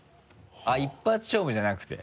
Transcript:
あっ一発勝負じゃなくて？